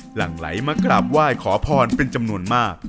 หลังไหลมากราบไหว้ขอพรเป็นจำนวนมาก